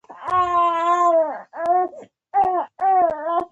هغه دې په څو جملو کې ولیکي په پښتو ژبه.